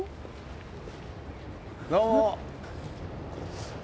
どうも！